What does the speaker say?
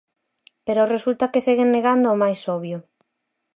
Pero resulta que seguen negando o máis obvio.